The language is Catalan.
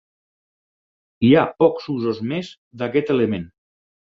Hi ha pocs usos més d'aquest element.